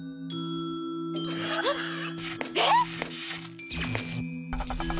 はっ！えっ！？